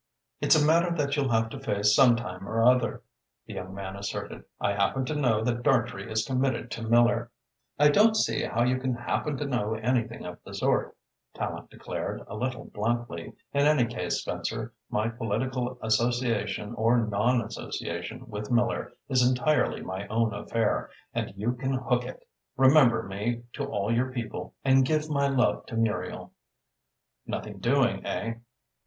"It's a matter that you'll have to face sometime or other," the young man asserted. "I happen to know that Dartrey is committed to Miller." "I don't see how you can happen to know anything of the sort," Tallente declared, a little bluntly. "In any case, Spencer, my political association or nonassociation with Miller is entirely my own affair, and you can hook it. Remember me to all your people, and give my love to Muriel." "Nothing doing, eh?"